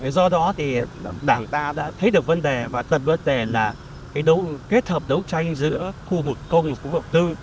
do đó thì đảng ta đã thấy được vấn đề và tận vấn đề là kết hợp đấu tranh giữa khu vực công và khu vực tư